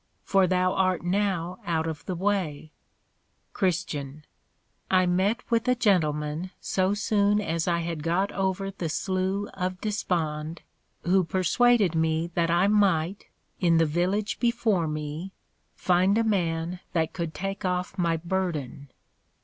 for thou art now out of the way. CHR. I met with a Gentleman so soon as I had got over the Slough of Dispond, who persuaded me that I might, in the village before me, find a man that could take off my Burden.